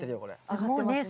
上がってますね。